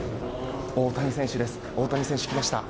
大谷選手が来ました。